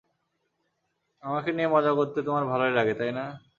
আমাকে নিয়ে মজা করতে তোমার ভালো লাগে, তাই না?